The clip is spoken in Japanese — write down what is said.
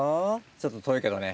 ちょっと遠いけどね。